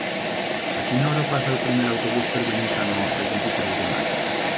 A quina hora passa el primer autobús per Benissanó el vint-i-tres de maig?